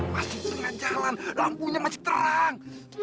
masih dengan jalan lampunya masih terang